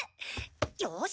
よし！